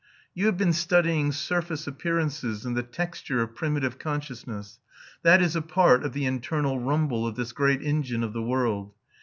You have been studying surface appearances and the texture of primitive consciousness; that is a part of the internal rumble of this great engine of the world.